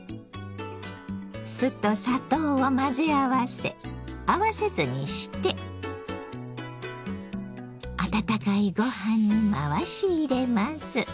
酢と砂糖を混ぜ合わせ合わせ酢にして温かいご飯に回し入れます。